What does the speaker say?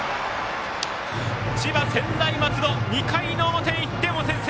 千葉・専大松戸２回の表１点を先制！